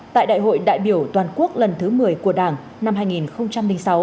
tại đại hội đại biểu toàn quốc lần thứ một mươi của đảng năm hai nghìn sáu